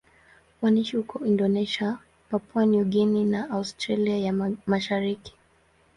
Wanaishi huko Indonesia, Papua New Guinea na Australia ya Mashariki.